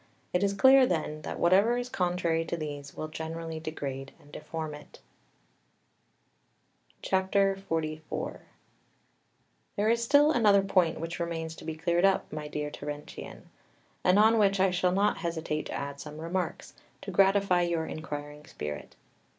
It is clear, then, that whatever is contrary to these will generally degrade and deform it. XLIV There is still another point which remains to be cleared up, my dear Terentian, and on which I shall not hesitate to add some remarks, to gratify your inquiring spirit.